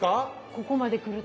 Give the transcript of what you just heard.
ここまで来ると。